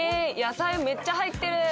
野菜めっちゃ入ってる。